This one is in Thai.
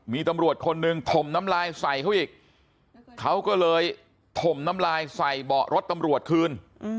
มีตำรวจคนหนึ่งถมน้ำลายใส่เขาอีกเขาก็เลยถมน้ำลายใส่เบาะรถตำรวจคืน